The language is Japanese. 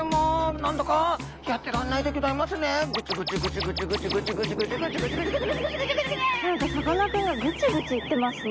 何かさかなクンがグチグチ言ってますね。